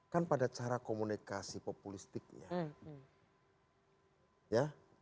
kan pada cara komunikasi populistiknya